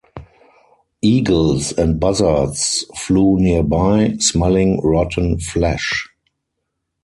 Eagles and buzzards flew nearby, smelling rotten flesh.